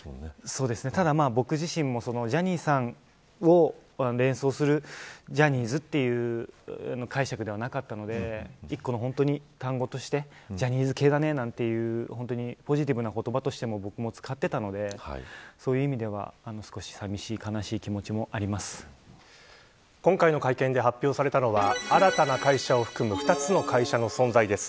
そうですねただ、僕自身もジャニーさんを連想する、ジャニーズという解釈ではなかったので一つの単語としてジャニーズ系だね、なんていうポジティブな言葉としても僕も使っていたのでそういう意味では少し寂しい、悲しい気持ちも今回の会見で発表されたのは新たな会社を含む２つの会社の存在です。